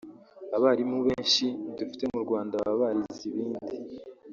Abarimu benshi dufite mu Rwanda baba barize ibindi